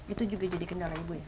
itu juga jadi kendala ibu ya